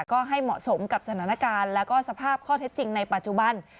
ก็ให้เหมาะสมกับสถานการณ์แล้วก็สภาพข้อเท็จจริงในปัจจุบัน